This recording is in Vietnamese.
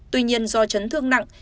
tuy nhiên do chấn thương nặng